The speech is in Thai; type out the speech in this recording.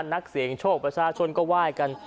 นักเสียงโชคประชาชนก็ไหว้กัน